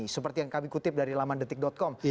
seperti yang kami kutip dari lamandetik com